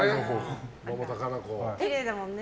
きれいだもんね。